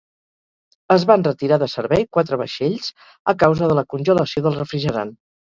Es van retirar de servei quatre vaixells a causa de la congelació del refrigerant.